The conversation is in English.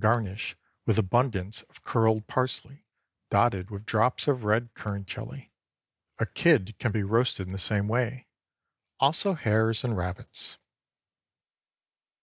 Garnish with abundance of curled parsley, dotted with drops of red currant jelly. A kid can be roasted in the same way—also hares and rabbits.